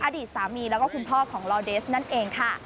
อดีตสามีแล้วก็คุณพ่อของลอเดสนั่นเองค่ะ